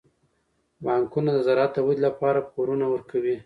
بانکونه د زراعت د ودې لپاره پورونه ورکوي.